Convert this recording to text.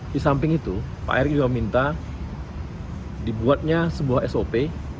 di samping itu pak erick juga minta dibuatnya sebuah sop